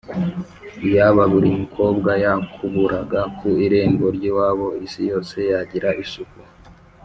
Iyaba buri mukobwa yakuburaga ku irembo ry’iwabo, isi yose yagira isuku